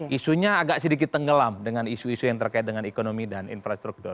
isunya agak sedikit tenggelam dengan isu isu yang terkait dengan ekonomi dan infrastruktur